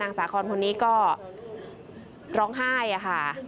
นางสาคอนนนี่ก็ร้องไห้ค่ะ